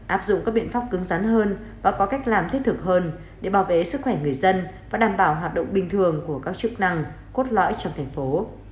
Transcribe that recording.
áp dụng các biện pháp cứng rắn hơn và có cách làm thiết thực hơn để bảo vệ sức khỏe người dân và đảm bảo hoạt động bình thường của các chức năng cốt lõi trong thành phố